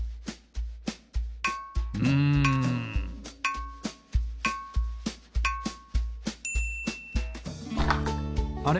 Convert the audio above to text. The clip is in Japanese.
うんあれ？